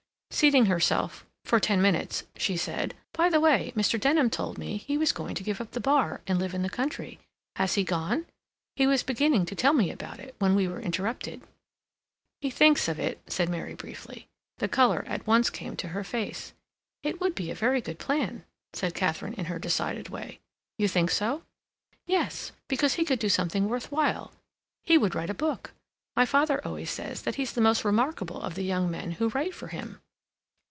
Seating herself "for ten minutes," she said: "By the way, Mr. Denham told me he was going to give up the Bar and live in the country. Has he gone? He was beginning to tell me about it, when we were interrupted." "He thinks of it," said Mary briefly. The color at once came to her face. "It would be a very good plan," said Katharine in her decided way. "You think so?" "Yes, because he would do something worth while; he would write a book. My father always says that he's the most remarkable of the young men who write for him."